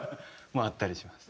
もあったりします。